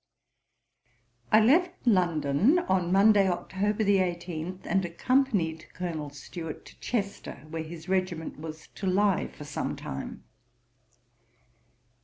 I left London on Monday, October 18, and accompanied Colonel Stuart to Chester, where his regiment was to lye for some time.